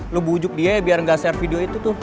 lu bujuk dia biar gak share video itu tuh